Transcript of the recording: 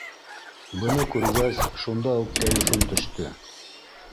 Быны күргәс, шунда уҡ кәйефем төштө.